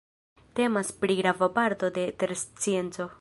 Temas pri grava parto de terscienco.